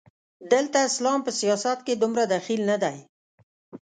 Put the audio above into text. دلته اسلام په سیاست کې دومره دخیل نه دی.